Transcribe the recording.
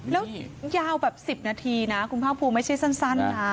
แล้วยาวแบบ๑๐นาทีนะคุณภาคภูมิไม่ใช่สั้นนะ